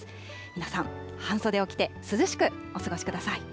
皆さん、半袖を着て涼しくお過ごしください。